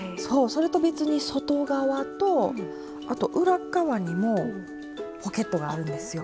それと別に外側とあと裏側にもポケットがあるんですよ。